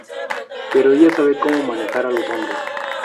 Pero ella sabe como manejar a los hombres...